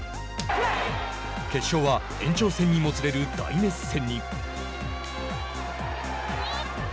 決勝は延長戦にもつれる大熱戦に。